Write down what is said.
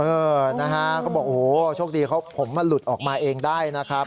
เออนะฮะเขาบอกโอ้โหโชคดีเขาผมมันหลุดออกมาเองได้นะครับ